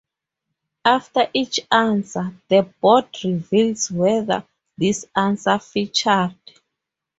After each answer, the board reveals whether this answer featured.